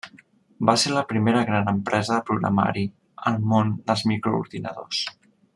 Va ser la primera gran empresa de programari al món dels microordinadors.